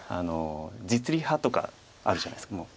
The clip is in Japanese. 実利派とかあるじゃないですか。